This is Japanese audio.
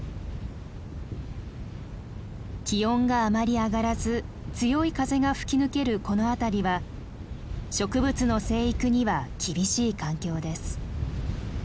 気温があまり上がらず強い風が吹き抜けるこの辺りは植物の生育には厳しい環境です。